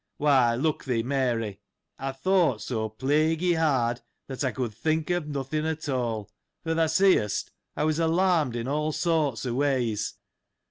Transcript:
— Why, look thee, Mary : I thought so plaguy hard, that I could think of nothing at all ; for thou seest, I was alarm ed in all sorts of ways.